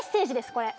これ。